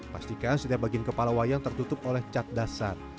pastikan setiap bagian kepala wayang tertutup oleh cat dasar